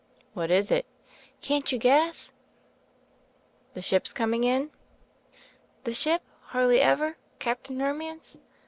"What is it?" "Can't you guess?" "The ship's coming in?" "The ship *Hardly Ever,* Captain Ro mance?"